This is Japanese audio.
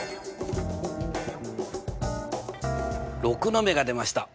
６の目が出ました。